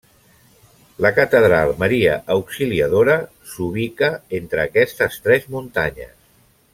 La catedral Maria Auxiliadora s'ubica entre aquestes tres muntanyes.